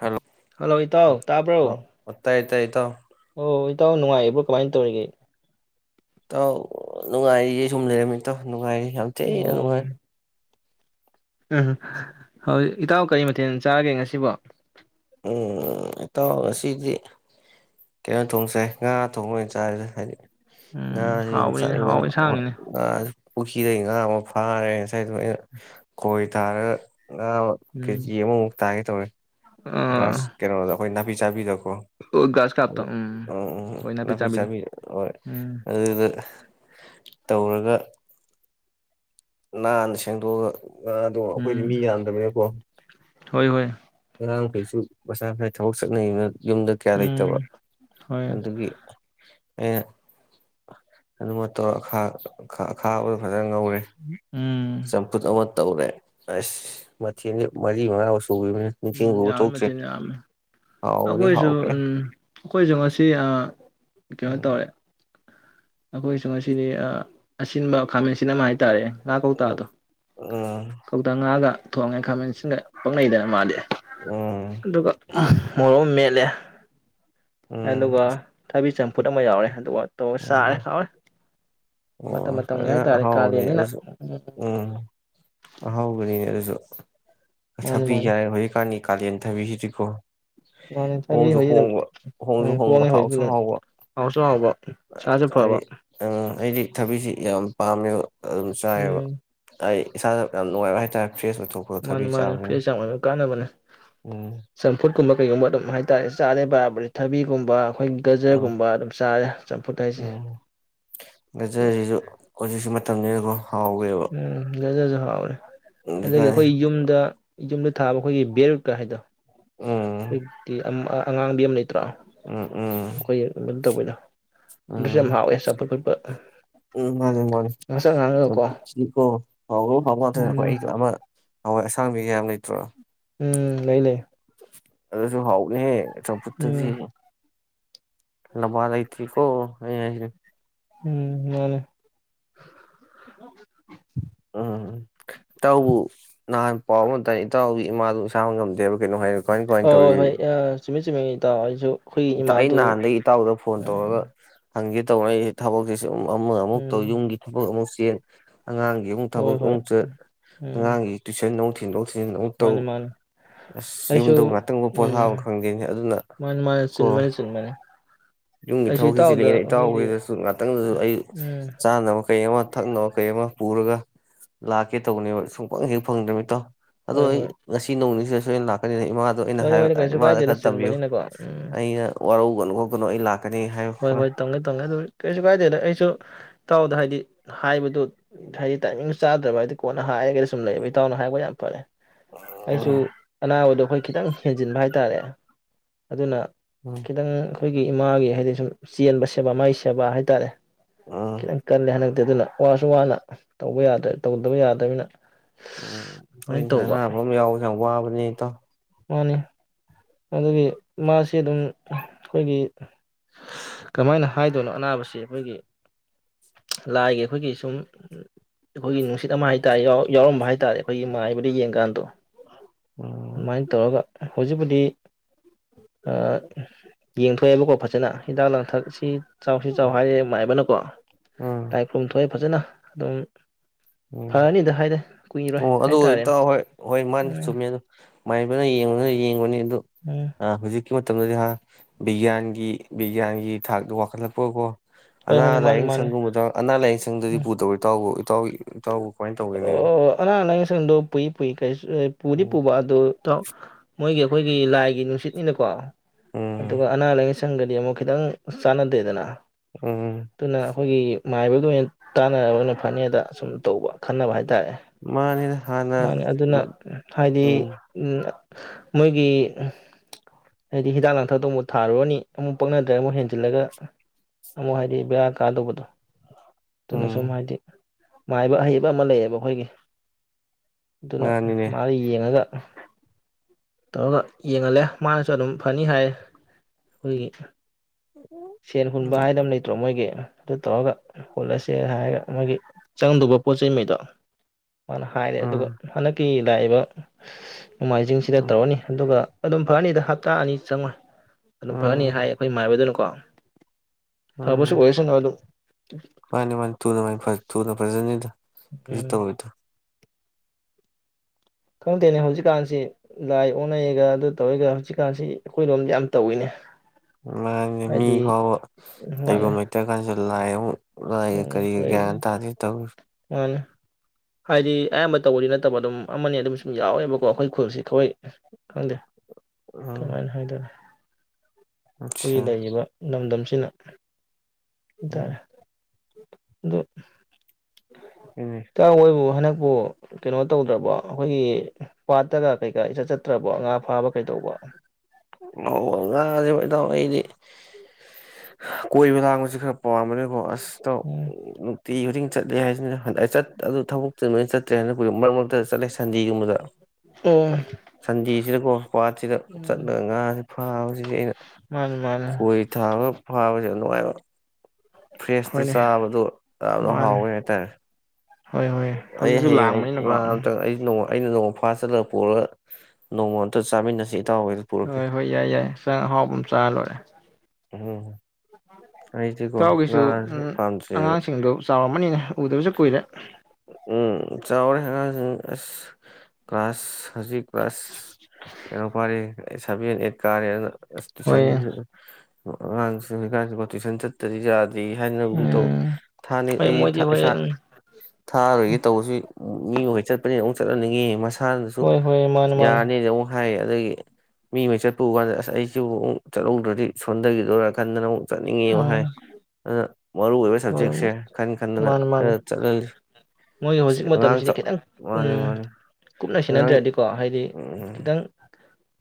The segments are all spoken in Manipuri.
ꯍꯜꯂꯣ ꯍꯜꯂꯣ ꯏꯇꯥꯎ ꯇꯥꯕ꯭ꯔꯣ ꯑꯣ ꯇꯥꯏ ꯇꯥꯏ ꯏꯇꯥꯎ ꯑꯣ ꯏꯇꯥꯎ ꯅꯨꯡꯉꯥꯏꯕꯣ ꯀꯃꯥꯏꯅ ꯇꯧꯔꯤꯒꯦ ꯇꯧ ꯅꯨꯡꯉꯥꯏꯔꯤꯌꯦ ꯁꯨꯝ ꯂꯩꯔꯝꯃꯤꯇꯧ ꯅꯨꯡꯉꯥꯏꯔꯤ ꯌꯥꯝ ꯊ ꯑꯣ ꯅꯨꯡꯉꯥꯏ ꯎꯝ ꯍꯧꯖꯤ ꯏꯇꯥꯎ ꯀꯔꯤ ꯃꯊꯦꯜ ꯆꯥꯒꯦ ꯉꯁꯤꯕꯣ ꯎꯝ ꯏꯇꯥꯎ ꯉꯁꯤꯗꯤ ꯀꯩꯅꯣ ꯊꯣꯡꯁꯦ ꯉꯥ ꯊꯣꯡꯕ ꯑꯣꯏꯅ ꯆꯥꯔꯤꯗ ꯍꯥꯏꯗꯤ ꯉ ꯎꯝ ꯍꯥꯎꯕꯅꯤꯅꯦ ꯁꯔ ꯉ ꯍꯥꯎꯕ ꯏꯟꯁꯥꯡꯅꯤꯅꯦ ꯄꯨꯈ꯭ꯔꯤꯗ ꯉꯥ ꯑꯃ ꯐꯥꯔꯦ ꯉꯁꯥꯏ ꯑꯗꯨꯃ ꯑꯩꯅ ꯈꯣꯏ ꯇꯥꯔꯒ ꯉ ꯎꯝ ꯀꯦꯖꯤꯃꯨ ꯇꯥꯏꯦ ꯇꯧꯋ ꯉꯥꯁ ꯑ ꯀꯩꯅꯣ ꯑꯩꯈꯣꯏ ꯅꯥꯄꯤ ꯆꯥꯕꯤꯗꯛꯣ ꯀꯣ ꯒ꯭ꯔꯥꯁ ꯀꯥꯞꯇꯣ ꯑꯗꯨ ꯎꯝ ꯎꯝ ꯍꯣꯏ ꯅꯥꯄꯤ ꯆꯥꯕꯤꯗꯣ ꯆꯕꯤ ꯍꯣꯏ ꯎꯝ ꯑꯗꯨꯗ ꯇꯧꯔꯒ ꯅꯁꯤꯡꯗꯨ ꯑ ꯑꯗꯣ ꯑꯩꯈꯣꯏꯗꯤ ꯎꯝ ꯃꯤ ꯌꯥꯝꯗꯕꯅꯀꯣ ꯍꯣꯏ ꯍꯣꯏ ꯑꯉꯥꯡꯈꯩꯁꯨ ꯃꯁꯥ ꯃꯁꯥ ꯊꯕꯛ ꯆꯠꯅꯔꯤꯕ ꯌꯨꯝꯗ ꯀꯌꯥ ꯂꯩꯇꯕ ꯎꯝ ꯍꯣꯏ ꯑꯗꯨꯒꯤ ꯑꯦ ꯑꯗꯨꯃꯥꯏꯅ ꯇꯧꯔꯒꯥ ꯑꯈꯥꯕ ꯐ ꯈꯔ ꯉꯧꯔꯦ ꯎꯝ ꯆꯝꯐꯨꯠ ꯑꯃ ꯇꯧꯔꯦ ꯑꯁ ꯃꯊꯦꯜꯁ ꯃꯔꯤ ꯃꯉꯥ ꯁꯨ ꯅꯤꯡꯁꯤꯡ ꯎꯝ ꯌꯥꯝꯃꯦ ꯊꯣꯛꯇ꯭ꯔꯦ ꯃꯊꯦꯜ ꯌꯥꯝꯃꯦ ꯍꯥꯎꯕꯗꯤ ꯑꯩꯈꯣꯏꯁꯨ ꯍꯥꯎꯈ꯭ꯔꯦ ꯑꯩꯈꯣꯏꯁꯨ ꯉꯁꯤ ꯀꯩꯅꯣ ꯎꯝ ꯇꯧꯔꯦ ꯑꯩꯈꯣꯏꯒꯤꯁꯨ ꯉꯁꯤꯗꯤ ꯑꯁꯤꯟꯕ ꯈꯥꯃꯦꯟ ꯑꯁꯤꯟ ꯑꯃ ꯍꯥꯏꯇꯥꯥꯔꯦ ꯉꯥ ꯀꯧꯇꯥꯛ ꯎꯝ ꯑꯗꯣ ꯀꯧꯇꯥꯛ ꯉꯥꯒ ꯊꯣꯡꯉꯦ ꯈꯥꯃꯤꯁꯤꯟꯒꯦ ꯄꯛꯅꯩꯗꯅ ꯃꯥꯗꯤ ꯎꯝ ꯑꯗꯨꯒ ꯑ ꯃꯣꯔꯣꯡ ꯃꯦꯠꯂꯦ ꯎꯝ ꯍꯗꯨꯀ ꯊꯥꯕꯤ ꯆꯝ ꯈꯨꯨꯠ ꯑꯃ ꯌꯥꯎꯔꯦ ꯑꯗꯨꯒ ꯇꯧꯔ ꯆꯥꯔꯦ ꯎꯝ ꯍꯥꯎꯔꯦ ꯃꯇꯝ ꯑꯣ ꯃꯇꯝꯒꯤ ꯐꯖꯅ ꯍꯥꯏꯇꯥꯔꯦ ꯑꯍꯥꯎꯕꯅꯤ ꯀꯥꯂꯦꯟꯅꯤꯅ ꯑꯗꯨꯁꯨ ꯎꯝ ꯑꯍꯥꯎꯒꯅꯤꯅꯦ ꯑꯗꯨꯁꯨ ꯀ ꯊꯥ ꯃꯥꯅꯤ ꯄꯤ ꯃꯥꯅꯤ ꯌꯥꯔꯦ ꯍꯣꯏ ꯀꯥꯅꯤ ꯀꯥꯂ ꯌꯦꯟ ꯊꯕꯤꯁꯤꯗꯤꯀꯣ ꯃꯥꯅꯤ ꯊꯥꯕꯤ ꯍꯣꯡꯁꯨ ꯍꯧꯖꯤꯛ ꯂꯪ ꯍꯣꯡꯕ ꯍꯣꯡꯁꯨ ꯍꯣꯡꯕ ꯍꯣꯡꯉꯦ ꯍꯥꯎꯁꯨ ꯍꯧꯖꯤꯛꯗ ꯍꯥꯎꯕ ꯍꯥꯎꯁꯨ ꯍꯥꯎꯕ ꯏꯁꯥꯖꯨ ꯐꯕꯥ ꯎ ꯑꯩꯗꯤ ꯊꯕꯤꯁꯤ ꯌꯥꯝ ꯄꯥꯝꯃꯦꯕ ꯑꯗꯨꯝ ꯆꯥꯏꯑꯕ ꯎꯝ ꯑꯩ ꯏꯁꯥꯗ ꯌꯥꯝ ꯅꯨꯡꯉꯥꯏꯕ ꯍꯥꯏꯇꯥꯔꯦ ꯐ꯭ꯔꯦꯁ ꯑꯣꯏꯊꯣꯛꯄꯗꯣ ꯃꯥꯅꯤ ꯊꯕꯤ ꯃꯥꯅꯤ ꯆꯥꯕꯅꯤꯅ ꯐꯦ ꯆꯥꯡ ꯑꯣꯏꯕ ꯀꯥꯟꯅꯕꯅꯦ ꯎꯝ ꯆꯝꯐꯨꯠ ꯀꯨꯝꯕ ꯀꯩꯒꯨꯝꯕ ꯑꯗꯨꯝ ꯍꯥꯏꯇꯥꯔꯦ ꯆꯥꯕꯔꯤꯊꯕꯤꯒꯨꯝꯕ ꯑꯩꯈꯣꯏ ꯎꯝ ꯒꯖꯔꯒꯨꯝꯕ ꯑꯗꯨꯝ ꯆꯥꯔꯦ ꯆꯝꯐꯨꯠ ꯍꯥꯏꯁꯦ ꯎꯝ ꯇꯝꯅꯤꯦꯀꯣ ꯍꯥꯎꯋꯦꯕ ꯒꯥꯖꯔꯁꯨ ꯍꯥꯎꯑꯦ ꯑꯗꯒꯤ ꯑꯗꯨꯅꯤ ꯑꯩꯈꯣꯏ ꯌꯨꯝꯗ ꯌꯨꯝꯗ ꯊꯥꯕ ꯑꯩꯈꯣꯏꯒꯤ ꯕꯦꯔꯨꯠꯀ ꯍꯥꯏꯗꯣ ꯎꯝ ꯁꯤꯗꯤ ꯑ [unintelligible] ꯑꯉꯥꯡꯕꯤ ꯑꯃ ꯂꯩ [unintelligible] ꯎꯝ ꯎꯝ ꯭ꯔꯣꯏ [unintelligible] ꯇꯧꯕꯣꯏꯗꯣ ꯎꯝ ꯎꯝ ꯃꯥꯅꯤ ꯉꯥꯡꯁꯪ ꯉꯥꯡꯉꯒꯀꯣ ꯃꯥꯅꯤꯀꯣ ꯍꯥꯎꯕ ꯍꯥꯎ ꯉꯥꯛꯇꯣꯏꯅ ꯑꯩꯈꯣꯏ ꯎꯝ ꯑꯩ ꯑꯃ ꯍꯋꯥꯏ ꯑꯁꯥꯡꯕꯤ ꯀꯌꯥꯝ ꯂꯩꯇꯦ ꯑ [unintelligible] ꯎꯝ ꯂꯩ ꯂꯩ ꯑꯗꯁꯨ ꯍꯥꯎꯕꯅꯦꯍꯦ ꯆꯝꯐꯨꯠꯇꯗꯤ ꯎꯝ ꯂꯝꯕ ꯂꯩꯇ꯭ꯔꯤꯀꯣ ꯑꯩꯅꯥ ꯍꯥꯏꯖꯤꯅꯦ ꯎꯝ ꯃꯥꯅꯦ ꯎꯝ ꯎꯝ ꯎꯝ ꯏꯇꯥꯎꯕꯨ ꯅꯍꯥꯟ ꯄꯥꯎ ꯑꯃ ꯇ ꯏꯇꯥꯎꯗꯤ ꯏꯃꯥꯗꯨ ꯏꯁꯥꯃꯛ ꯉꯝꯗꯦꯕ ꯀꯩꯅꯣ ꯍꯥꯏꯔ ꯀꯃꯥꯏ ꯀꯃꯥꯏꯅ ꯇꯧꯔꯤ ꯍꯣꯏ ꯍꯣꯏ ꯍꯣꯏ ꯆꯨꯝꯃꯤꯠ ꯆꯨꯝꯃꯤ ꯏ ꯇꯥꯎꯑꯣ ꯑꯩꯁꯨ ꯑꯩꯈꯣꯏꯒꯤ ꯑꯩ ꯏꯃꯥꯗꯨ ꯅꯍꯥꯟꯗꯒꯤ ꯏꯇꯥꯎꯗ ꯐꯣꯟ ꯎꯝ ꯇꯧꯔꯒ ꯍꯪꯒꯦ ꯇꯧꯔꯛꯏꯁꯤ ꯊꯕꯛꯁ ꯑꯃ ꯑꯃꯨꯛꯇ ꯎꯝ ꯌꯨꯝꯒꯤ ꯊꯕꯛ ꯑꯃ ꯆꯦꯡ ꯑꯉꯥꯡ ꯑꯃꯨꯛ ꯍꯣꯏ ꯊꯕꯛ ꯍꯣꯏ ꯑꯃꯨꯛ ꯎꯝ ꯑꯉꯥꯡꯒꯤ ꯇꯨꯏꯁꯟ ꯑꯃꯨꯛ ꯊꯤ ꯅꯧ ꯊꯤꯟ ꯑꯃꯨꯛꯛꯇꯧ ꯃꯥꯅꯤ ꯃꯥꯅꯤ ꯑꯁ ꯑꯩꯁꯨ ꯌꯨꯝꯗꯧ ꯉꯥꯛꯇꯪꯒ ꯄꯣꯠꯊꯥ ꯑꯃ ꯎꯝ ꯈꯪꯗꯦꯅꯤ ꯑꯗꯨꯅ ꯃꯥꯅꯤ ꯃꯥꯅꯤ ꯀꯣ ꯆꯤꯟꯕꯅꯤ ꯆꯤꯟꯕꯅꯤ ꯌꯨꯝꯒꯤ ꯑꯩꯁꯨ ꯊꯕꯛꯁꯤ ꯏꯇꯥꯎꯗ ꯆꯤꯟꯂꯤꯉꯩ ꯏꯇꯥꯎ ꯑꯩꯈꯣꯏꯒꯤ ꯍꯣꯏꯗꯁꯨ ꯉꯥꯛꯇꯗꯁꯨ ꯑꯩ ꯎꯝ ꯆꯥꯅꯕ ꯀꯩ ꯑꯃ ꯊꯛꯅꯕ ꯀꯩ ꯑꯃ ꯄꯨꯔꯒ ꯂꯥꯛꯀꯦ ꯇꯧꯕꯅꯦꯕ ꯁꯨꯡꯄꯪ ꯍꯦꯛ ꯐꯪꯗ꯭ꯔꯕꯃꯤꯠꯇꯣ ꯑꯗꯣ ꯍꯣꯏ ꯑꯩ ꯍꯣꯏ ꯉꯁꯤ ꯅꯧ ꯁꯤꯗ ꯂꯅꯥꯀꯅꯤ ꯏꯃꯥꯗꯣ ꯑꯩꯅ ꯍꯣꯏꯅꯦ ꯍꯥꯏ ꯍꯣꯏꯅꯦ ꯀꯩꯁꯨ ꯏꯃꯥꯗ ꯀꯥꯏꯗꯦꯗ ꯈꯔ ꯇꯝꯕꯤꯌꯨ ꯆꯤꯟꯕꯅꯤꯅꯀꯣ ꯎꯝ ꯑꯩꯅ ꯋꯥꯔꯧꯒꯅꯨ ꯈ ꯀꯩꯅꯣ [unintelligible] ꯍꯣꯏ ꯍꯣꯏ ꯇꯝꯒꯦ ꯇꯝꯒꯦ ꯑꯗꯨ ꯀꯩꯁꯨ ꯀꯥꯏꯗꯦꯗ ꯑꯩꯁꯨ ꯇꯥꯎꯗ ꯍꯥꯏꯗꯤ ꯍꯥꯏꯕꯗꯨ ꯍꯥꯏꯗꯤ ꯇꯥꯏꯃꯤꯡ ꯆꯥꯗ꯭ꯔꯕ ꯍꯥꯏꯗꯤ ꯀꯣꯟꯅ ꯍꯥꯏꯔꯒꯗꯤ ꯁꯨꯝ ꯂꯩꯌꯦꯕ ꯏꯇꯥꯎꯅ ꯍꯥꯏꯕ ꯌꯥꯝ ꯐꯔꯦ ꯑꯩꯁꯨ ꯎꯝ ꯑꯅꯥꯕ ꯑꯗꯨ ꯑꯩꯈꯣꯏ ꯈꯤꯇꯪ ꯍꯦꯟꯖꯤꯟꯕ ꯍꯥꯏꯇꯥꯔꯦ ꯑꯗꯨꯅ ꯎꯝ ꯈꯤꯇꯪ ꯑꯩꯈꯣꯏꯒꯤ ꯏꯃꯥꯒꯤ ꯍꯥꯏꯗꯤ ꯁꯨꯝ ꯆꯦꯟꯕ ꯁꯦꯕ ꯃꯥꯏ ꯁꯦꯕ ꯍꯥꯏꯇꯥꯔꯦ ꯎꯝ ꯈꯤꯇꯪ ꯀꯜꯂꯦ [unintelligible] ꯑꯗꯨꯅ ꯋꯥꯁꯨ ꯋꯥꯅ ꯇꯧꯕ ꯌꯥꯗ ꯇꯧꯗꯕ ꯌꯥꯗꯕꯅꯤꯅ ꯎꯝ ꯑꯗꯨꯃꯥꯏꯅ ꯑꯩꯈꯣꯏ ꯇꯧꯕ ꯑꯅꯥꯕ ꯑꯃ ꯌꯥꯎ ꯌꯥꯝ ꯋꯥꯕꯅꯤ [unintelligible] ꯃꯥꯅꯤ ꯑꯗꯨꯒꯤ ꯃꯥꯁꯤ ꯑꯗꯨꯝ ꯑꯩꯈꯣꯏꯒꯤ ꯀꯃꯥꯏꯅ ꯍꯥꯏꯗꯣꯏꯅꯣ ꯑꯅꯥꯕꯁꯤ ꯑꯩꯈꯣꯏꯒꯤ ꯂꯥꯏꯒꯤ ꯑꯩꯈꯣꯏꯒꯤ ꯁꯨꯝ ꯑꯩꯈꯣꯏꯒꯤ ꯅꯨꯡꯁꯤꯠ ꯑꯃ ꯍꯥꯏ ꯇꯥꯔꯦ ꯌꯥꯎꯔꯝꯕ ꯍꯥꯏ ꯇꯥꯔꯦ ꯑꯩꯈꯣꯏꯒꯤ ꯃꯥꯏꯕꯗ ꯌꯦꯡꯀꯥꯟꯗꯣ ꯎꯝ ꯑꯗꯨꯃꯥꯏꯅ ꯇꯧꯔꯒ ꯍꯧꯖꯤꯛꯄꯨꯗꯤ ꯌꯦꯡꯊꯣꯛꯑꯦꯕꯀꯣ ꯐꯖꯅ ꯍꯤꯗꯥꯛ ꯂꯥꯡꯊꯛꯁꯤ ꯆꯥꯎꯁꯤ ꯆꯥꯎ ꯍꯥꯏꯔꯦ ꯃꯥꯏꯕꯅꯀꯣ ꯎꯝ ꯂꯥꯏ ꯈꯨꯔꯨꯝ ꯊꯣꯛ [unintelligible] ꯐꯖꯅ ꯑꯗꯨꯝ ꯎꯝ ꯐꯔꯅꯤꯗ ꯍꯥꯏꯗꯤ ꯀꯨꯏꯔꯣꯏ ꯑꯣ ꯑꯗꯨ ꯍꯥꯏꯇꯥꯔꯦ ꯏꯇꯥꯎ ꯍꯣꯏ ꯍꯣꯏ ꯃꯥꯅꯤ ꯎꯝ ꯆꯨꯝꯃꯦ ꯑ ꯃꯥꯏꯕꯅ ꯌꯦꯡꯉꯒ ꯌꯦꯡꯕꯅꯤ ꯎꯝ [unintelligible] ꯍꯧꯖꯤꯛ [unintelligible] ꯃꯇꯝꯗꯨꯗꯤ ꯕꯤꯒ꯭ꯌꯥꯟꯒꯤ ꯕꯤꯒ꯭ꯌꯥꯟꯒꯤ ꯊꯥꯛꯇ ꯋꯥꯈꯠꯂꯛꯄꯒꯀꯣ ꯍꯣꯏ ꯑꯅꯥ ꯍꯣꯏꯅꯦ ꯃꯥꯅꯤ ꯂꯥꯏꯌꯦꯡ ꯃꯥꯅꯤ ꯁꯪꯒꯨꯝꯕꯗ ꯑꯅꯥ ꯂꯥꯏꯌꯦꯡ ꯁꯪꯗꯗꯤ ꯄꯨꯗꯔꯣ ꯇꯥꯎꯕꯨ ꯇꯧꯏ ꯑꯣ ꯑꯉꯥꯡ ꯂꯥꯡꯉꯁꯪꯗꯣ ꯄꯨꯏ ꯄꯨꯏꯀꯥꯏ ꯄꯨꯗꯤ ꯎꯝ ꯄꯨꯕ ꯑꯗꯨꯣ [unintelligible] ꯃꯣꯏꯒꯤ ꯑꯩꯈꯣꯏꯒꯤ ꯂꯥꯏꯒꯤ ꯅꯨꯡꯁꯤꯠꯅꯤꯅꯀꯣ ꯎꯝ ꯑꯗꯨꯒ ꯑꯅꯥ [unintelligible] ꯏꯁꯪꯒꯗꯤ ꯑꯃꯨꯛ ꯈꯤꯇꯪ ꯆꯥꯟꯅꯗꯦꯗꯅ ꯎꯝ ꯑꯗꯨꯅ ꯑꯩꯈꯣꯏꯒꯤ ꯃꯥꯏꯕꯗ ꯑꯣꯏꯅ ꯇꯥꯟꯅꯔꯝꯕꯅ ꯐꯅꯤꯗ ꯁꯨꯝ ꯇꯧꯕ ꯈꯟꯅꯕ ꯍꯥꯏ ꯍꯥꯏ ꯇꯔꯦ ꯃꯥꯅꯤꯅ ꯍꯥꯟꯅ ꯃꯥ ꯃꯥꯅꯤ ꯑꯗꯨꯅ ꯍꯥꯏꯗꯤ ꯎꯝ ꯃꯣꯏꯒꯤ ꯍꯥꯏꯗꯤ ꯍꯤꯗꯥꯛ ꯂꯥꯡꯊꯛꯛꯇ ꯑꯃꯨꯛ ꯊꯥꯔꯨꯔꯅꯤ ꯑꯃꯨꯛ ꯄꯛꯅꯗ꯭ꯔꯒ ꯑꯃꯨꯛ ꯍꯦꯟꯖꯤꯜꯂꯒ ꯑꯃꯨꯛ ꯍꯥꯏꯗꯤ ꯕꯦꯔꯥ ꯀꯥꯗꯧꯕꯗꯣ ꯑꯗꯨꯅꯁꯨꯨꯝ ꯎꯝ ꯍꯥꯏꯗꯤ ꯃꯥꯏꯕ ꯑꯍꯩꯕ ꯑꯃ ꯂꯩꯑꯦꯕ ꯑꯩꯈꯣꯏꯒꯤ ꯑꯗꯨꯅ ꯃꯥꯅꯤꯅꯦ ꯃꯥꯗ ꯌꯦꯡꯉꯒ ꯇꯧꯔꯒ ꯌꯦꯡꯍꯜꯂꯦ ꯃꯥꯅꯁꯨ ꯑꯗꯨꯝ ꯐꯅꯤ ꯍꯥꯏ ꯑꯩꯈꯣꯏꯒꯤ ꯁꯦꯟ ꯎꯝ ꯍꯨꯟꯕ ꯍꯥꯏꯗ ꯑꯃ ꯂꯩꯇ꯭ꯔꯣ ꯃꯣꯏꯒꯤ ꯑꯗꯨ ꯇꯧꯔꯒ ꯍꯣꯠꯂꯁꯦꯅ ꯍꯥꯏꯔꯒ ꯃꯥꯒꯤ ꯆꯪꯗꯕ ꯄꯣꯠ ꯆꯩꯉꯩꯗꯣ ꯃꯥꯅ ꯍꯥꯏꯔꯦ ꯑꯗꯨꯒ ꯎꯝ ꯍꯟꯗꯛꯀꯤ ꯏꯕ ꯅꯣꯡꯃꯥꯏꯖꯤꯡꯁꯤꯗ ꯇꯧꯔꯅꯤ ꯑꯗꯨꯒ ꯑꯗꯨꯝ ꯐꯅꯤꯗ ꯍꯞꯇꯥ ꯑꯅꯤ ꯆꯪꯉꯣꯏ ꯑꯗꯨꯝ ꯐꯔꯅꯤ ꯍꯥꯏ ꯎꯝ ꯑꯩꯈꯣꯏ ꯃꯥꯏꯕꯗꯨꯅꯀꯣ ꯐꯕꯁꯨ ꯎꯝ ꯑꯣꯏꯔꯁꯅꯨ ꯑꯗꯨꯝ ꯃꯥꯅꯤ ꯃꯥꯅꯤꯨꯅ ꯃꯥꯅꯤ ꯊꯨꯅ ꯐꯖꯅꯤꯗ ꯀꯩꯁꯨ ꯎꯝ ꯇꯧꯋꯤꯗꯣ ꯈꯪꯗꯦꯅꯦ ꯍꯧꯖꯤꯛꯀꯥꯟꯁꯤ ꯂꯥꯏ ꯑꯣꯅꯩꯒ ꯑꯗꯨ ꯇꯧꯔꯤꯒ ꯍꯧꯖꯤꯛꯀꯥꯟꯁꯤ ꯑꯩꯈꯣꯏꯔꯣꯝꯗ ꯌꯥꯝ ꯇꯧꯏꯤꯅꯦ ꯃꯥꯅꯦ ꯃꯤ ꯐꯥꯎꯕ ꯃꯥꯅꯦ ꯂꯩꯐꯝ ꯂꯩꯇ꯭ꯔ ꯀꯥꯟꯁꯨ ꯂꯥꯛꯑꯕ ꯀꯔꯤ ꯒ꯭ꯌꯥꯟ ꯇꯥꯗꯤꯦ ꯇꯧꯋꯏ ꯃꯥꯅꯤ ꯍꯥꯏꯗꯤ ꯑꯌꯥꯝꯕ ꯇꯧꯕꯗꯤ ꯅꯠꯇꯕ ꯑꯗꯨꯝ ꯑꯃꯅꯤ ꯑꯗꯨꯝ ꯁꯨꯝ ꯌꯥꯎꯋꯦꯕꯀꯣ ꯑꯩꯈꯣꯏ ꯈꯨꯜꯁꯤ ꯑꯩꯈꯣꯏ ꯈꯪꯗꯦ ꯎꯝ ꯀꯃꯥꯏꯅ ꯍꯣꯏꯗ ꯍ ꯑꯠꯁꯥ ꯂꯩꯏꯕ ꯂꯝꯗꯝꯁꯤꯅ ꯇꯔꯦ ꯎꯝ ꯑꯗ ꯀ ꯑꯣꯏꯣꯏꯕꯨ ꯍꯅ ꯕꯨ ꯀꯩꯅꯣ ꯇꯧꯗ꯭ꯔꯕ ꯑꯩꯈꯣꯏꯒꯤ ꯄꯥꯠꯇꯒ ꯀꯩꯀꯥ ꯏꯆꯠ ꯆꯠꯇ꯭ꯔꯕꯣ ꯉꯥ ꯐꯥꯕ ꯀꯩꯗꯧꯕ ꯑꯣ ꯉꯥꯡꯥꯁꯦ ꯏꯅꯥꯎ ꯑꯩꯗꯤ ꯀꯣꯏꯕ ꯂꯥꯡꯁꯦ ꯈꯔ ꯄꯥꯝꯕꯅꯤꯀꯣ ꯑꯁ ꯎꯝ ꯍꯧꯖꯤ ꯆꯠꯂꯦ ꯍꯥꯏꯁꯤꯅ ꯍꯟ ꯑꯩ ꯆꯠ ꯑꯗꯨ ꯊꯕꯛꯇꯨ ꯂꯣꯏꯅ ꯆꯠꯇ꯭ꯔꯦ ꯍꯥꯏꯅꯈ ꯃꯔꯛ ꯃꯔꯛꯇ ꯆꯠꯂꯦ ꯁꯟꯗꯤꯤꯒꯨꯝꯕꯗ ꯑꯣ ꯁꯟꯗꯤꯤꯁꯤꯗꯀꯣ ꯄꯥꯠꯁꯤꯗ ꯆꯠꯂꯒ ꯉꯥꯁ ꯐꯥꯕꯁꯤꯗꯤ ꯑꯩꯅ ꯃꯥꯅꯤ ꯃꯥꯅꯤ ꯈꯣꯏ ꯊꯥꯕꯒ ꯐꯥꯕꯁꯤ ꯅꯨꯡꯉꯕ ꯐ꯭ꯔꯦꯁꯇ ꯍꯣꯏꯅꯦ ꯆꯥꯕꯗ ꯌꯥꯝꯅ ꯃꯥꯅꯤ ꯍꯥꯎꯋꯦ ꯍꯥꯏꯇꯥꯔꯦ ꯍꯣꯏ ꯍꯣꯏ ꯑꯩ ꯍꯧꯖꯤꯛꯁꯨ ꯍꯌꯦꯡ ꯂꯥꯡꯕꯅꯤꯅꯀꯣ ꯑꯃ ꯑꯃꯇ ꯑꯩꯁꯨ ꯅꯣꯡ ꯑꯩꯅ ꯅꯣꯡꯃ ꯐꯥ ꯆꯠꯂꯒ ꯄꯨꯔꯒ ꯅꯣꯡꯃ ꯑꯝꯇ ꯆꯥꯃꯤꯟꯅꯁꯤ ꯏꯇꯥꯎ ꯍꯣꯏꯗ ꯄꯨꯔꯛꯀꯦ ꯍꯣꯏ ꯍꯣꯏ ꯌꯥꯏ ꯌꯥꯏ ꯆꯪ ꯑꯍꯥꯎꯕ ꯑꯃ ꯆꯥ ꯂꯣꯏꯔꯦ ꯎꯝ ꯑꯩꯗꯤꯀꯣ ꯊꯥꯎꯒꯤꯁꯨ ꯉꯥꯁꯦ ꯄꯥꯝꯖꯩꯕ ꯑꯉꯥꯡꯁꯤꯡꯗꯣ ꯆꯥꯎꯝ ꯑꯃꯅꯤꯅ ꯎꯗꯕꯁꯨ ꯀꯨꯏꯔꯦ ꯎꯝ ꯆꯥꯎꯔꯦ ꯑꯉꯥꯡꯁꯤꯡ ꯑꯁ ꯀ꯭ꯂꯥꯁ ꯍꯧꯖꯤꯛ ꯀ꯭ꯂꯥꯁ ꯀꯩꯅꯣ ꯄꯥꯔꯤ ꯁꯚꯦꯟ ꯑꯩꯏꯠ ꯀꯥꯔꯦ ꯑꯗꯨꯅ ꯑꯁ ꯍꯣꯏ ꯇꯨꯏꯁꯟꯖꯦ ꯥ ꯑꯉꯥꯡꯁꯤꯡ ꯍꯧꯖꯤꯛꯀꯥꯟꯁꯦꯀꯣ ꯇꯨꯏꯁꯟ ꯆꯠꯇ꯭ꯔꯗꯤ ꯌꯥꯗꯦ [unintelligible] ꯍꯥꯏꯅꯔꯨꯒꯨꯝ ꯇꯧ ꯎꯝ ꯊꯥꯅꯤ ꯍꯣꯏ ꯑꯩ ꯃꯣꯏꯗꯤ ꯏꯁꯥ ꯍꯣꯏ ꯊꯥꯔꯥꯔꯣꯏꯒꯦ ꯇꯧꯕꯁꯨ ꯃꯤ ꯑꯣꯏ ꯆꯠꯄꯅꯤꯅ ꯑꯃꯨꯛ ꯆꯠꯍꯟꯅꯤꯡꯉꯤ ꯃꯁꯥꯅꯁꯨ ꯍꯣꯏ ꯍꯣꯏ ꯃꯥꯅꯤ ꯃꯥꯅꯤ ꯌꯥꯔꯅꯤꯗꯤ ꯑꯃꯨꯛ ꯍꯥꯏ ꯑꯗꯒꯤ ꯃꯤꯃꯩ ꯆꯠꯄ ꯎꯀꯥꯟꯗ ꯑꯁ ꯑꯩꯁꯤꯕꯨ ꯑꯃꯨꯛ ꯆꯠꯍꯧꯗ꯭ꯔꯗꯤ ꯁꯣꯟꯗꯒꯤꯗꯣꯔ ꯈꯟꯗꯅ ꯑꯃꯨꯛ ꯆꯠꯅꯤꯡꯉꯦ ꯑꯃꯨꯛ ꯍꯥꯏ ꯎꯝ ꯑꯗꯨ ꯋꯥꯠꯍꯧꯔꯤꯕ ꯍꯣꯏ ꯁꯕꯖꯦꯛꯁꯦ ꯈꯟ ꯈꯟꯗꯅ ꯃꯥꯅꯤ ꯃꯥꯅꯤ ꯈꯔ ꯆꯠꯍꯜꯂꯤ ꯃꯣꯏꯒꯤ ꯁꯤ ꯍꯧꯖꯤꯛ ꯑꯉꯥꯡ ꯃꯇꯝꯁꯤꯗꯤ ꯈꯤꯇꯪ [unintelligible] ꯃꯥꯅꯤ ꯎꯝ ꯃꯥꯅꯤ ꯀꯨꯞꯅ ꯑꯉꯥꯡ ꯁꯦꯟꯅꯗ꯭ꯔꯗꯤꯀꯣ ꯍꯥꯏꯗꯤ ꯎꯝ ꯈꯤꯇꯪ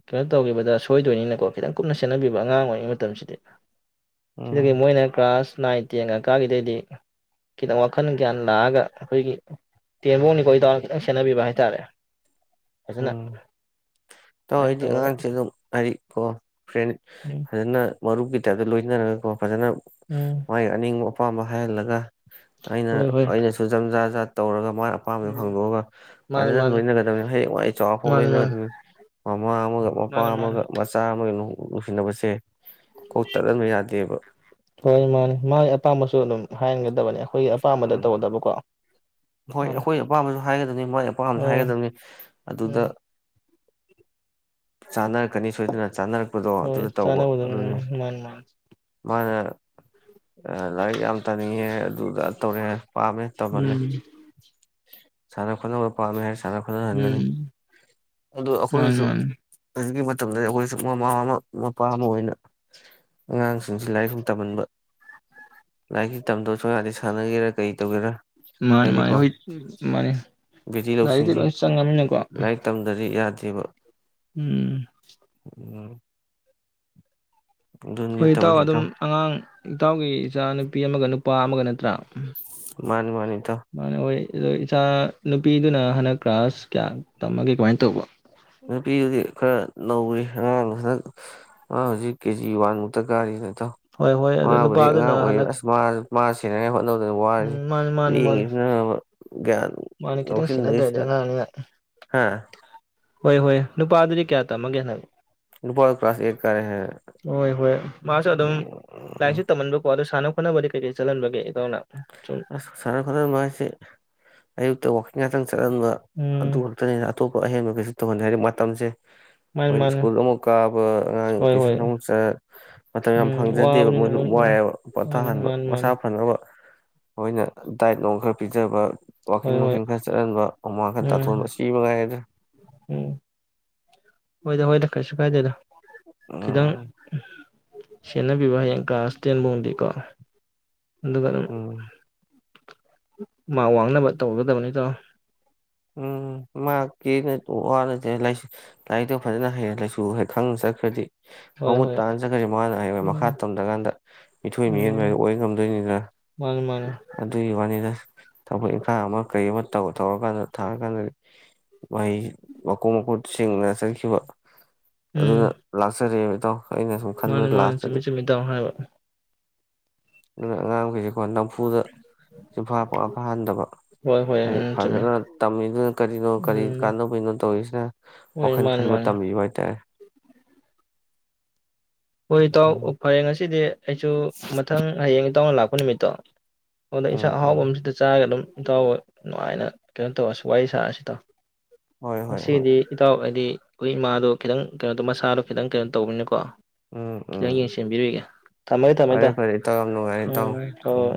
ꯀꯩꯅꯣ ꯇꯧꯈꯤꯕꯗ ꯁꯣꯏꯗꯣꯏꯅꯤꯅꯀꯣ ꯈꯤꯇꯪ ꯀꯨꯞꯅ ꯁꯦꯟꯅꯕꯤꯕ ꯑꯉꯥꯡ ꯑꯣꯏꯔꯤꯉꯩ ꯃꯇꯝꯁꯤꯗꯤ ꯁꯤꯗꯒꯤ ꯎꯝ ꯃꯣꯏꯅ ꯀ꯭ꯂ꯭ꯥꯁ ꯅꯥꯏꯟ ꯇꯦꯟ ꯀꯀꯥꯒꯤꯗꯩꯗꯤ ꯈꯤꯇꯪ ꯋꯥꯈꯜ ꯒ꯭ꯌꯥꯟ ꯂꯥꯛꯑꯒ ꯑꯩꯈꯣꯏꯒꯤ ꯇꯦꯟꯐꯧꯡꯗꯤꯀꯣ ꯏꯇꯥꯎꯅ ꯈꯤꯇꯪ ꯁꯦꯟꯅꯕꯤꯕ ꯍꯥꯏꯇꯥꯔꯦ ꯐꯖꯅꯥ ꯏꯇꯥꯎ ꯑꯩꯗꯤ ꯑꯉꯥꯡ ꯁꯤ ꯑꯗꯨꯝ ꯍꯥꯏꯗꯤ ꯍꯣ ꯐꯔꯦꯅꯦ ꯎꯝ ꯐꯖꯅ ꯃꯔꯨꯞꯀꯤ ꯇꯥꯏꯞꯇ ꯂꯣꯏꯅꯔꯒ ꯀꯣ ꯐꯖꯅ ꯎꯝ ꯃꯥꯏ ꯑꯅꯤꯡꯕ ꯑꯄꯥꯝꯕ ꯍꯥꯏꯍꯜꯂꯒ ꯑꯩꯅ ꯍꯣꯏ ꯍꯣꯏ ꯑꯩꯅꯁꯨ ꯖꯝ ꯖꯥꯠ ꯖꯥꯠ ꯇꯧꯔꯒ ꯃꯣꯏ ꯑꯄꯥꯝꯕꯗꯣ ꯎꯝ ꯍꯪꯗꯣꯛꯑꯒ ꯃꯥꯅꯤ ꯐꯖꯅ ꯃꯥꯅꯤ ꯂꯣꯏꯅꯒꯗꯕꯅꯤ ꯍꯌꯦꯡꯋꯥꯏ ꯆꯥꯎꯔꯐꯧ ꯃꯥꯅꯤ ꯃꯥꯅꯤ ꯂꯣꯏꯅꯒꯗꯕꯅꯤ ꯃꯃꯥ ꯑꯃꯒ ꯃꯄꯥ ꯃꯥꯅꯤ ꯃꯥꯅꯤ ꯑꯃꯒ ꯃꯆꯥ ꯑꯃꯒ ꯅꯨꯡꯁꯤꯟꯅꯕꯁꯦ ꯍꯣꯏ ꯃꯥꯟꯅꯤ ꯃꯥꯏ ꯑꯄꯥꯝꯕꯁꯨ ꯑꯗꯨꯝ ꯍꯥꯏꯔꯒ ꯗꯕꯅꯦ ꯑꯩꯈꯣꯏꯒꯤ ꯑꯄꯥꯝꯕꯗ ꯎꯝ ꯇꯧꯒꯗꯕꯀꯣ ꯍꯣꯏ ꯃꯥꯅꯤ ꯑꯩꯈꯣꯏ ꯑꯄꯥꯝꯕꯁꯨ ꯍꯥꯏꯒꯗꯕꯅꯤ ꯃꯣꯏ ꯑꯄꯥꯝꯕꯁꯨ ꯎꯝ ꯍꯥꯏꯒꯗꯕꯅꯤ ꯑꯗꯨꯗ ꯎꯝ ꯆꯥꯅꯔꯛꯀꯅꯤ ꯁꯣꯏꯗꯅ ꯆꯥꯅꯔꯛ ꯍꯣꯏ ꯆꯠꯂ ꯎꯅꯒ꯭ꯔꯝꯅꯦ ꯃꯥ ꯅꯍꯥꯟ ꯃꯥꯅ ꯑ ꯂꯥꯏꯔꯤꯛ ꯌꯥꯝ ꯇꯝꯅꯤꯡꯉꯦ ꯑꯗꯨꯗ ꯇꯧꯔꯦ ꯄꯥꯝꯃꯦ ꯇꯝꯍꯜꯂꯦ ꯎꯝ ꯁꯥꯅ ꯈꯣꯠꯅꯕ ꯄꯝꯃꯦ ꯍꯥꯏꯔꯁꯨ [unintelligible] ꯁꯥꯟꯅ ꯎꯝ ꯈꯣꯠꯅꯍꯟꯒꯅꯤ ꯑꯗꯨ ꯃꯥꯅꯤ ꯑꯩꯈꯣꯏꯒꯤꯁꯨ ꯃꯥꯅꯤ ꯍꯧꯖꯤꯛꯀꯤ [unintelligible] ꯑꯩꯈꯣꯏꯁꯨ ꯃꯃꯥ ꯑꯃ ꯃꯄꯥ ꯑꯃ ꯑꯣꯏꯅ ꯑꯉꯥꯡꯁꯤꯡꯁꯤ ꯂꯥꯏꯔꯤꯛꯁꯨ ꯇꯝꯍꯟꯕ ꯂꯥꯏꯔꯤꯛꯁꯨ ꯇꯝꯗꯕ ꯁꯨꯡ ꯌꯥꯗꯩ ꯁꯥꯟꯅꯒꯦꯔꯥ ꯀꯔꯤ ꯇꯧꯒꯦꯔꯥ ꯃꯥꯅꯤ ꯃꯥꯅꯤ ꯍꯥꯏꯗꯤꯀꯣ ꯍꯣꯏ ꯃꯥꯅꯤ ꯕꯦꯇꯤ ꯂꯥꯏꯔꯤꯛꯇꯤ ꯂꯧꯁꯤꯡꯁꯤ ꯂꯣꯏ ꯆꯪꯉꯕꯅꯤꯅꯀꯣ ꯊꯦꯕ ꯎꯝ ꯎꯝ ꯑꯗꯨꯅꯤ ꯍꯣꯏ ꯏꯇꯥꯎ ꯇꯧꯔꯤꯁꯤ ꯑꯗꯨꯝ ꯑꯉꯥꯡ ꯏꯇꯥꯎꯒꯤ ꯏꯆꯥ ꯅꯨꯄꯤ ꯑꯃꯒ ꯅꯨꯄꯥ ꯑꯃꯒ [unintelligible] ꯃꯥꯅꯤ ꯃꯥꯅꯤ ꯏꯇꯥꯎ ꯃꯅ ꯍꯣꯏ ꯑꯗꯣ ꯏꯆꯥ ꯅꯨꯄꯤꯗꯨꯅ ꯍꯟꯗꯛ ꯀ꯭ꯂ꯭ꯔꯥꯁ ꯀꯌꯥ ꯇꯝꯃꯒꯦ ꯀꯃꯥꯏꯅ ꯇꯧꯕ ꯅꯨꯄꯤꯗꯨꯗꯤ ꯈꯔ ꯅꯧꯔꯤ ꯑꯉꯥꯡ ꯍꯟꯗꯛ ꯑꯥꯡ ꯍꯧꯖꯤꯛ ꯀꯦꯖꯤ ꯋꯥꯟ ꯃꯨꯛꯇ ꯀꯥꯔꯤ ꯅ ꯍꯣꯏ ꯍꯣꯏ ꯑꯗꯨ ꯃꯥꯕꯨꯗꯤ ꯑꯉꯥꯡ ꯅꯨꯄꯥꯗꯨꯅ ꯑꯣꯏꯔꯤ ꯍꯟꯗꯛ ꯑꯁ ꯃꯥ ꯃꯥ ꯁꯤꯟꯅꯉꯥꯏ ꯍꯣꯠꯅꯕꯗ ꯎꯝ ꯃꯥꯅꯤ ꯃꯥꯅꯤ ꯃꯥꯅꯤ [unintelligible] ꯃꯥꯅꯤ ꯈꯤꯇꯡ ꯁꯦꯅꯗ꯭ꯔꯗꯤ ꯉꯥꯎꯁꯤꯟꯅꯩꯁꯤꯅ ꯑꯉꯥꯡꯅꯤꯅ ꯍꯥ ꯍꯣꯏ ꯍꯣꯏ ꯅꯨꯄꯥꯗꯨꯗꯤ ꯀꯌꯥ ꯇꯝꯃꯒꯦꯅ ꯅꯨꯄꯥ ꯀ꯭ꯂꯥꯁ ꯑꯦꯠ ꯀꯥꯔꯦ ꯍꯥꯏꯔꯦ ꯍꯣꯏ ꯍꯣꯏ ꯃꯥꯁꯨ ꯑꯗꯨꯝ ꯂꯥꯏꯟꯁꯨ ꯇꯝꯍꯟꯕꯀꯣ ꯑꯗꯨ ꯁꯥꯟꯅ ꯍꯅꯕꯕꯗꯤ [unintelligible] ꯀꯩ ꯆꯂꯟꯕꯒꯦ [unintelligible] ꯑꯌꯨꯛꯇ ꯋꯥꯀꯤꯡ ꯉꯥꯛꯇꯪ ꯆꯠꯍꯟꯕ ꯎꯝ ꯑꯗꯨ ꯈꯛꯇꯅꯤꯅ ꯑꯇꯣꯞꯄ ꯑꯍꯦꯟꯕ ꯀꯩꯁꯨ ꯇꯧꯍꯟꯗꯦ ꯍꯥꯏꯗꯤ ꯃꯇꯝꯁꯦ ꯃꯥꯅꯤ ꯑꯩꯣꯏꯗꯤ ꯃꯥꯅꯤ ꯁ꯭ꯀꯨꯜ ꯑꯃꯨꯛ ꯀꯥꯕ ꯑꯉꯥꯡ ꯍꯣꯏ ꯍꯣꯏ ꯇꯨꯏꯁꯟ ꯑꯃꯨꯛ ꯃꯇꯝ ꯌꯥꯝ ꯎꯝ ꯐꯪꯖꯗꯦꯕ ꯋꯥꯕꯅꯤꯅ ꯃꯣꯏꯁꯨ ꯃꯣꯏ ꯎꯝ ꯋꯥꯏꯑꯦꯕ ꯃꯥꯅꯤ ꯄꯊꯥꯍꯟꯕ ꯃꯥꯅꯤ ꯃꯥꯅꯤ ꯃꯁꯥ ꯐꯅꯕ ꯍꯣꯏꯅꯦ ꯗꯥꯏꯠ ꯅꯨꯡ ꯈꯔ ꯄꯤꯖꯕ ꯋꯥꯀꯤꯡ ꯍꯣꯏ ꯍꯣꯏ ꯅꯨꯡꯀꯤꯡ ꯈꯔ ꯆꯠꯍꯟꯕ ꯍꯨꯃꯥꯡ ꯈꯔ ꯎꯝ ꯇꯥꯊꯣꯛꯕ ꯁꯤ ꯃꯉꯥꯢꯔꯦ ꯀꯩ ꯎꯝ ꯍꯣꯏꯗ ꯍꯣꯏꯗ ꯀꯩꯁꯨ ꯀꯥꯏꯗꯦꯗ ꯈꯤꯗꯪ ꯎꯝ ꯁꯦꯟꯅꯕꯤꯕ ꯍꯌꯦꯡ ꯀ꯭ꯂꯥꯁ ꯇꯦꯟꯐꯨꯡꯗꯤꯀꯣ ꯎꯝ [unintelligible] ꯃꯥ ꯋꯥꯡꯅꯕ ꯇꯧꯒꯗꯕꯅꯤ ꯏꯇꯥꯎ ꯎꯝ ꯃꯍꯥꯛꯀꯤ ꯋꯥ ꯅꯠꯇꯦ ꯂꯥꯏꯔꯤꯛꯇꯣ ꯐꯖꯅ ꯍꯩ ꯂꯥꯏꯁꯨ ꯈꯪꯅ ꯆꯠꯈ꯭ꯔꯗꯤ ꯍꯣꯏ ꯃꯃꯨꯠ ꯍꯣꯏ ꯇꯥꯅ ꯆꯠꯈ꯭ꯔꯁꯦ ꯃꯥꯅ ꯍꯥꯏ ꯃꯈꯥ ꯎꯝ ꯇꯝꯊ꯭ꯔꯀꯥꯟꯗ ꯃꯤꯊꯣꯏ ꯃꯤꯌꯦꯟꯕꯗ ꯎꯝ ꯑꯣꯏ ꯉꯝꯗꯣꯏꯅꯤꯗꯅ ꯃꯥꯅꯤ ꯃꯥꯅꯤ ꯑꯗꯨꯒꯤ ꯋꯥꯅꯤꯗ ꯊꯕꯛ ꯏꯪꯈꯥꯡ ꯑꯃ ꯀꯔꯤ ꯑꯃ ꯇꯧ ꯇꯧꯔꯀꯥꯟꯗ ꯊꯥꯔ ꯀꯥꯟꯗꯗꯤ ꯃꯣꯏ ꯃꯈꯣꯡ ꯃꯀꯨꯠ ꯁꯦꯡꯅ ꯆꯠꯈꯤꯕ ꯑꯗꯨꯅ ꯂꯥꯛꯆꯔꯤ ꯇꯣ [inaudible] ꯃꯥꯅꯦ ꯃꯥꯅꯦ ꯆꯨꯝꯃꯤ ꯆꯨꯝꯃꯤ ꯇꯥꯎꯅ ꯍꯥꯏꯕ ꯑꯗꯨꯅ ꯑꯉꯥꯡ ꯃꯈꯩꯁꯦ ꯑꯣꯏ ꯅꯝꯐꯨꯗ ꯁꯤꯐꯥ [unintelligible] ꯄ ꯐꯍꯟꯗꯕ ꯍꯣꯏ ꯍꯣꯏ ꯍꯥꯏꯗꯤ ꯎꯝ ꯆꯨꯝꯃꯤ ꯐꯖꯅ ꯗꯨꯅ ꯀꯔꯤꯅꯣ ꯀꯔꯤ ꯎꯝ ꯀꯥꯟꯅꯕꯅꯣ ꯇꯧꯔꯤꯁꯤꯅ ꯍꯣꯏ ꯋꯥꯈꯜ ꯃꯥꯅꯤ ꯈꯟꯕ ꯃꯥꯅꯤ ꯇꯝꯕꯤꯕ ꯍꯥꯏꯇꯥꯔꯦ꯫ ꯍꯣꯏ ꯏꯇꯥꯎ ꯎꯝ ꯐꯔꯦ ꯉꯁꯤꯗꯤ ꯑꯩꯁꯨ ꯃꯊꯪ ꯍꯌꯦꯡ ꯏꯇꯥꯎꯅ ꯂꯥꯛꯄ [unintelligible] ꯑꯗꯨꯗ ꯎꯝ ꯏꯟꯁꯥꯡ ꯎꯝ ꯑꯍꯥꯎꯕ ꯑꯃꯁꯤꯗ ꯆꯥꯔꯒ ꯑꯗꯨꯝ ꯏꯇꯥꯎꯒ ꯅꯨꯡꯉꯥꯏꯅ ꯀꯩꯅꯣ ꯇꯧꯔꯁꯦ ꯋꯥꯔꯤ ꯁꯥꯔꯁꯦ ꯏꯇꯥꯎ꯫ ꯍꯣꯏ ꯍꯣꯏ ꯍꯣꯏ ꯉꯁꯤꯗꯤ ꯏꯇꯥꯎ ꯍꯥꯏꯗꯤ ꯑꯩꯈꯣꯏ ꯏꯃꯥꯗꯣ ꯈꯤꯇꯪ ꯀꯩꯅꯣꯗꯣ ꯃꯁꯥꯗꯣ ꯈꯤꯇꯪ ꯀꯩꯅꯣ ꯇꯧꯕꯅꯤꯅꯀꯣ ꯎꯝ ꯈꯤꯇꯪ ꯎꯝ ꯌꯦꯡꯁꯤꯟꯕꯤꯔꯨꯒꯦ ꯊꯝꯃꯒꯦ ꯐꯔꯦ ꯊꯝꯃꯒ ꯐꯔꯦ ꯏꯇꯥꯎ ꯌꯥꯝ ꯅꯨꯡꯉꯥꯏꯔꯦ ꯏꯇꯥꯎ ꯎꯝ ꯑꯣ ꯎꯝ